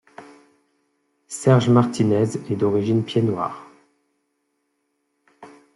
Serge Martinez est d'origine pied-noire.